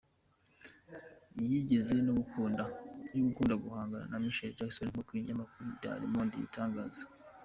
Yigeze no gukunda guhangana na Michael Jackson nk’uko ikinyamakuru Le Monde kibitangaza.